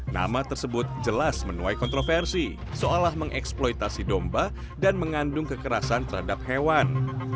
nama tersebut jelas menuai kontroversi seolah mengeksploitasi domba dan mengandung kekerasan terhadap hewan